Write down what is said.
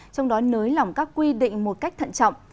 trong đó nới lỏng các quy định một cách thận trọng